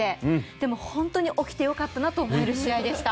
でも本当に、起きてよかったなと思える試合でした。